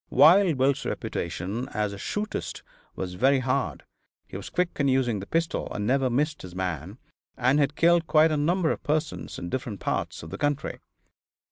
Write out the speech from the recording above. Wild Bill's reputation as a "shootist" was very hard; he was quick in using the pistol and never missed his man, and had killed quite a number of persons in different parts of the country.